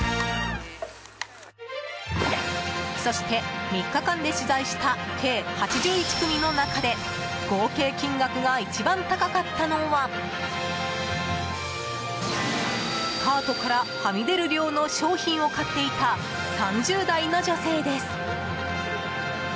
そして、３日間で取材した計８１組の中で合計金額が一番高かったのはカートから、はみ出る量の商品を買っていた３０代の女性です。